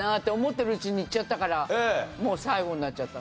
もう最後になっちゃった。